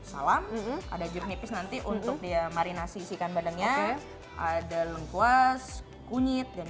salam ada jeruk nipis nanti untuk dia marinasi isikan bandengnya ada lengkuas kunyit dan